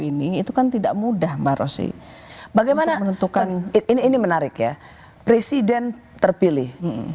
ini itu kan tidak mudah mbak rosy bagaimana menentukan ini ini menarik ya presiden terpilih